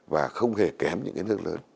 và không hề kém những nước lớn